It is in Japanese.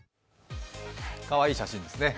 かわいい写真ですね。